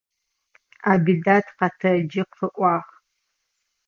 Абидат къэтэджи къыӏуагъ.